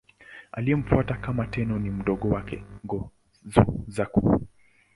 Aliyemfuata kama Tenno ni mdogo wake, Go-Suzaku.